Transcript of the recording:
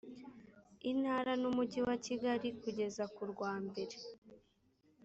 intara n umujyi wa kigali kugeza ku rwambere